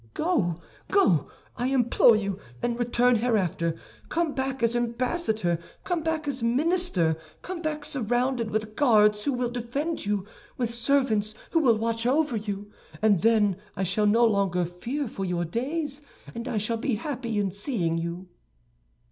"Go, go, I implore you, and return hereafter! Come back as ambassador, come back as minister, come back surrounded with guards who will defend you, with servants who will watch over you, and then I shall no longer fear for your days, and I shall be happy in seeing you."